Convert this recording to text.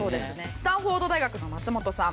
スタンフォード大学の松本さん。